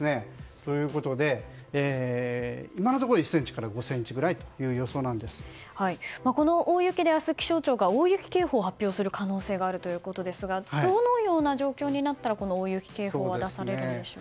ということで今のところ１ｃｍから５ｃｍくらいというこの大雪で明日、気象庁が大雪警報を発表する可能性があるということですがどのような状況になったらこの大雪警報は出されるんでしょう。